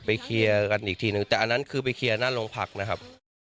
เคลียร์กันอีกทีนึงแต่อันนั้นคือไปเคลียร์หน้าโรงพักนะครับ